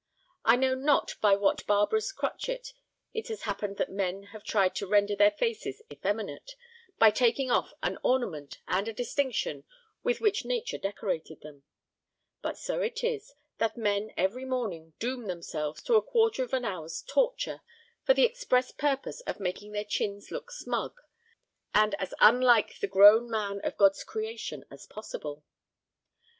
I know not by what barbarous crotchet it has happened that men have tried to render their faces effeminate, by taking off an ornament and a distinction with which nature decorated them; but so it is, that men every morning doom themselves to a quarter of an hour's torture, for the express purpose of making their chins look smug, and as unlike the grown man of God's creation as possible.